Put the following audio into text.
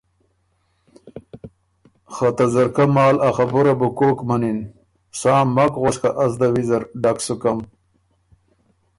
خه ته ځرکۀ مال ا خبُره بو کوک منِن۔ سا مک غؤس که از ده ویزر ډک سکم